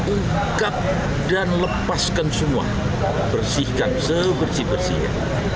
ungkap dan lepaskan semua bersihkan sebersih bersihnya